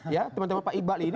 ya teman teman pak iqbal ini